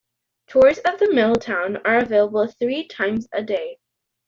Tours of the mill town are available three times a day.